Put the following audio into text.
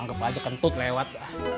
anggep aja kentut lewat